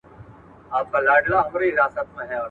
ځینې روباټونه ماتوي.